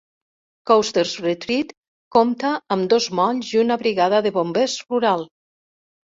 Coasters Retreat compta amb dos molls i una brigada de bombers rural.